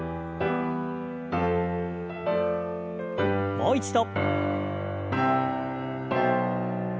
もう一度。